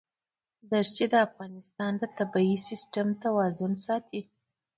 دښتې د افغانستان د طبعي سیسټم توازن ساتي.